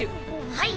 はい！